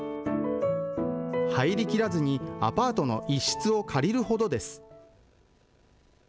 入りきらずにアパートの一室を借りるほどです。